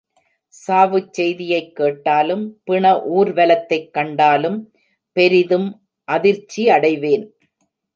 சாவுச் செய்தியைக் கேட்டாலும் பிண ஊர் வலத்தைக் கண்டாலும் பெரிதும் அதிர்ச்சி அடைவேன்.